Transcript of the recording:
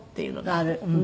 ある。